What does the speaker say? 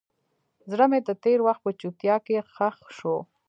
زړه مې د تېر وخت په چوپتیا کې ښخ شو.